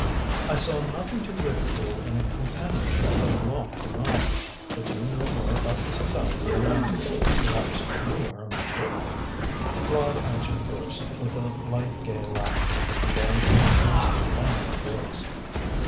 "I saw nothing to ridicule in a companionship of lofty minds. But you know more about the society than I do. Perhaps you are a member?" Claude answered first with a light gay laugh, and then in his most languid voice.